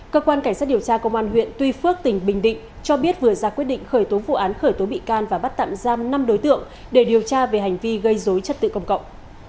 cơ quan cảnh sát điều tra công an huyện tuy phước tỉnh bình định cho biết vừa ra quyết định khởi tố vụ án khởi tố bị can và bắt tạm giam năm đối tượng để điều tra về hành vi gây dối chất tự công cộng